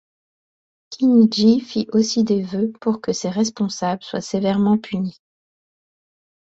Kinigi fit aussi des vœux pour que ces responsables soient sévèrement punis.